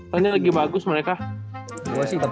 soalnya lagi bagus mereka